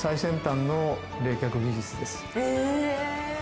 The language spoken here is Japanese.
え。